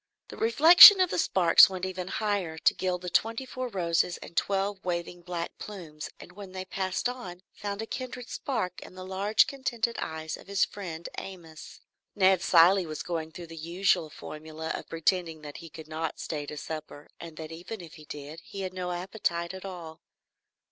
The reflection of the sparks went even higher to gild the twenty four roses and twelve waving black plumes, and when they passed on, found a kindred spark in the large contented eyes of his friend Amos. Ned Cilley was going through the usual formula of pretending that he should not stay to supper, and that even if he did, he had no appetite at all.